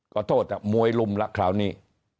ขอโทษมวยลุมละคราวนี้